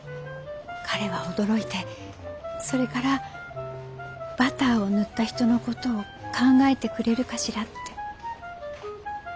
彼は驚いてそれからバターを塗った人のことを考えてくれるかしらって。